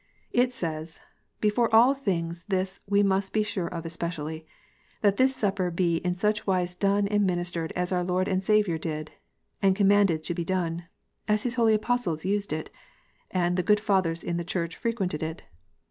It says, "Before all things this we must be sure of especially, that this Supper be in such wise done and ministered as our Lord and Saviour did, and commanded to be done as His holy Apostles used it ; and the good Fathers in the Church frequented it.